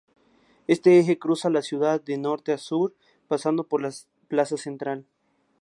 Este eje cruza la ciudad de norte a sur pasando por la plaza central.